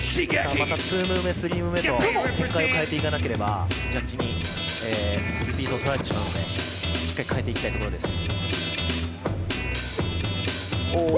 ２ムーブ目、３ムーブ目と展開を変えていかなければ、ジャッジにリピートを取られてしまうのでしっかり変えていきたいところです。